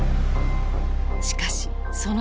しかしその時。